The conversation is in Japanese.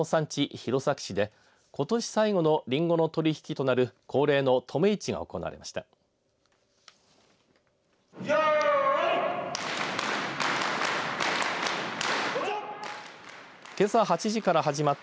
弘前市でことし最後のりんごの取り引きとなる恒例の止め市が行われました。